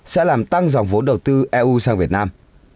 sẽ làm tăng dòng vốn đầu tư eu sang việt nam